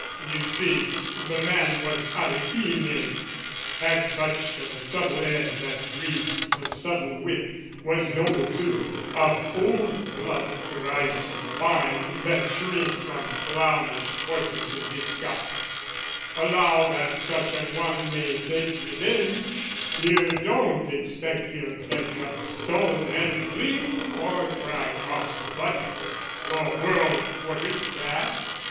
You see, the man was Aretine, had touch O' the subtle air that breeds the subtle wit; Was noble too, of old blood thrice refined That shrinks from clownish coarseness in disgust: Allow that such an one may take revenge, You don't expect he'll catch up stone and fling, Or try cross buttock, or whirl quarter staff?